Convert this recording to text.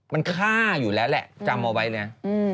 มันฆ่าอยู่แล้วแหละจำเอาไว้เลย